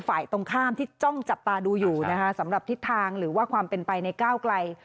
ฝ่ายตรงข้ามที่จ้องจับตาดูอยู่นะคะสำหรับทิศทางหรือว่าความเป็นไปในก้าวไกล